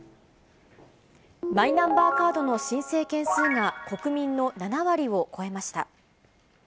マイナンバーカードの申請件数が、国民の７割を超えました。